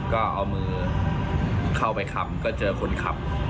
ก็เอามือเข้าไปขำก็เจอคนขับ